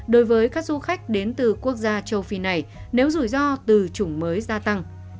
đối với các du khách đến từ quốc gia châu phi này nếu rủi ro từ chủng mới gia tăng